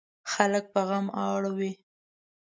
خلک په غم اړوي.